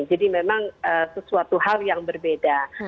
jadi memang sesuatu hal yang berbeda